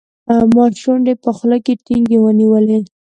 ما شونډې په خوله کې ټینګې ونیولې.